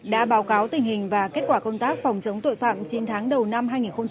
đã báo cáo tình hình và kết quả công tác phòng chống tội phạm chín tháng đầu năm hai nghìn hai mươi ba